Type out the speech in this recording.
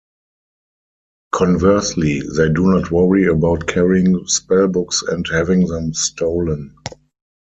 Conversely, they do not worry about carrying spell books and having them stolen.